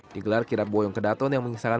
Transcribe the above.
digelar kirap boyong kedaton yang mengisahkan